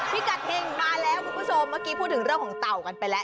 พิกัดเฮงมาแล้วคุณผู้ชมเมื่อกี้พูดถึงเรื่องของเต่ากันไปแล้ว